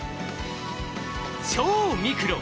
超ミクロ！